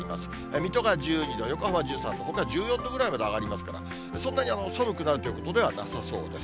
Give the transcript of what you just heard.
水戸が１２度、横浜１３度、ほか１４度ぐらいまで上がりますから、そんなに寒くなるということではなさそうです。